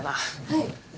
はい。